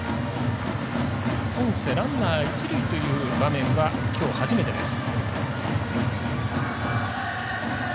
ポンセ、ランナー、一塁という場面は、きょう初めてです。